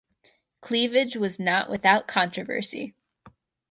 Cleavage was not without controversy.